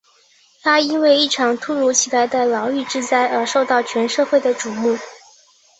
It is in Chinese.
他因为一场突如其来的牢狱之灾而受到全社会的瞩目。